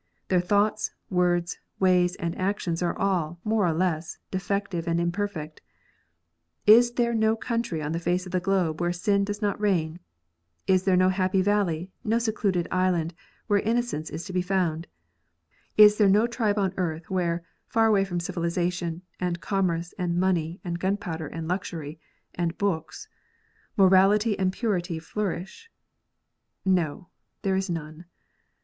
Their thoughts, words, ways, and actions are all, more or less, defective and imperfect. Is there no country 011 the face of the globe where sin does not reign 1 ? Is there no happy valley, no secluded island, where innocence is to be found 1 Is there no tribe on earth, where, far away from civilization, and commerce, and money, and gunpowder, and luxury, and books, morality and purity nourish 1 No ! there is none.